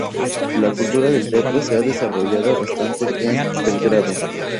La cultura de teatro se ha desarrollada bastante en Belgrado.